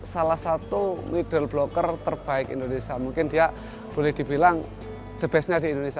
salah satu middle blocker terbaik indonesia mungkin dia boleh dibilang the bestnya di indonesia